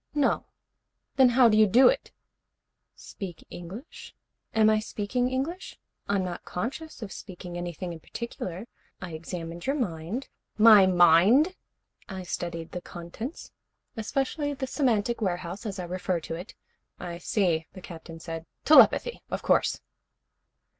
"No." "Then how do you do it?" "Speak English? Am I speaking English? I'm not conscious of speaking anything in particular. I examined your mind " "My mind?" "I studied the contents, especially the semantic warehouse, as I refer to it " "I see," the Captain said. "Telepathy. Of course."